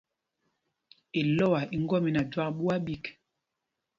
Ilɔ́a í ŋgɔ́mina jüak ɓuá ɓîk.